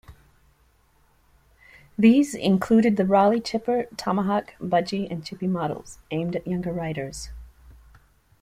These included the Raleigh Chipper, Tomahawk, Budgie and Chippy models, aimed at younger riders.